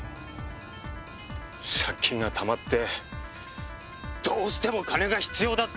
借金がたまってどうしても金が必要だった。